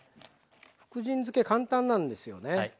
福神漬け簡単なんですよね。